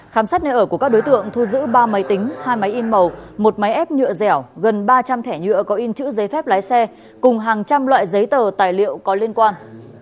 khám xét nơi ở của các đối tượng thu giữ ba máy tính hai máy in màu một máy ép nhựa dẻo gần ba trăm linh thẻ nhựa có in chữ giấy phép lái xe cùng hàng trăm loại giấy tờ tài liệu có liên quan